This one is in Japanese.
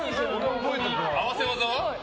合わせ技は？